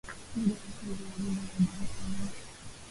moja ya wakaazi wa jiji la dar es slaam